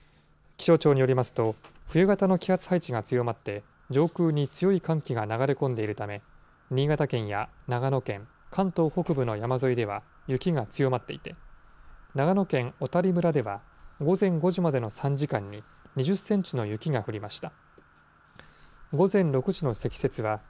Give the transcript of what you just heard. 気象庁によりますと、冬型の気圧配置が強まって、上空に強い寒気が流れ込んでいるため、新潟県や長野県、関東北部の山沿いでは雪が強まっていて、長野県小谷村では午前５時までの３時間に２０センチの雪が降りました。